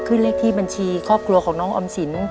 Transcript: เลขที่บัญชีครอบครัวของน้องออมสิน